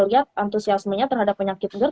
lihat antusiasmenya terhadap penyakit ger